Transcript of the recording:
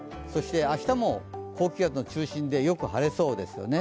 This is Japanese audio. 明日も高気圧の中心でよく晴れそうですよね。